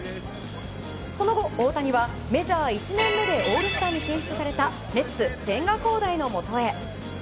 その後、大谷はメジャー１年目でオールスターに選出されたメッツ、千賀滉大のもとへ。